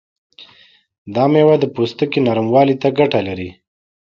دا میوه د پوستکي نرموالي ته ګټه لري.